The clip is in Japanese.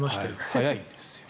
早いんです。